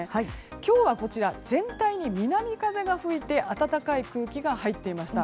今日は、全体に南風が吹いて暖かい空気が入っていました。